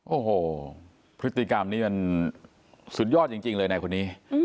โอ้โหพฤติกรรมนี้มันสุดยอดจริงเลยในคนนี้